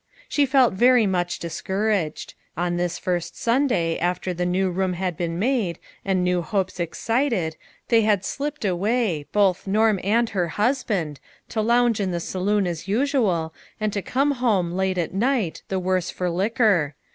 She felt very much discouraged. On this first Sunday, after the new room had been made, and new hopes excited, they had slipped away, both Norm and her husband, to lounge in the saloon as usual, and to come home, late at night, the worse for liquor.